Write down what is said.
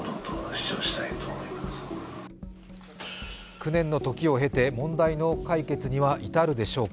９年のときを経て、問題の解決には至るでしょうか。